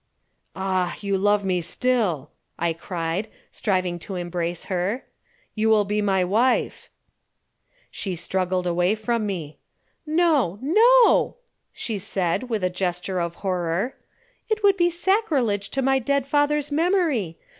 "Ah, you love me still," I cried, striving to embrace her. "You will be my wife." She struggled away from me. "No, no," she said, with a gesture of horror. "It would be sacrilege to my dead father's memory.